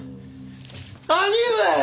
「兄上！